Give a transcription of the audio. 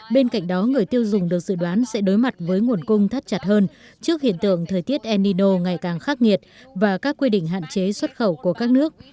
bên cạnh đó người tiêu dùng được dự đoán sẽ đối mặt với nguồn cung thắt chặt hơn trước hiện tượng thời tiết el nino ngày càng khắc nghiệt và các quy định hạn chế xuất khẩu của các nước